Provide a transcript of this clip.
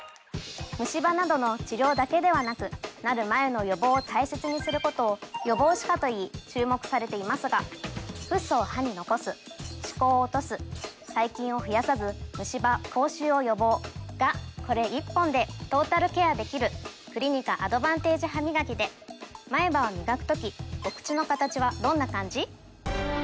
ムシ歯などの治療だけではなくなる前の予防を大切にすることを予防歯科と言い注目されていますがフッ素を歯に残す歯垢を落とす細菌を増やさずムシ歯口臭を予防がこれ１本でトータルケアできるクリニカアドバンテージハミガキで前歯をみがく時お口の形はどんな感じ？